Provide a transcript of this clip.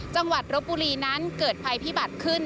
จังหวัดรบบุรีนั้นเกิดภัยพิบัติขึ้น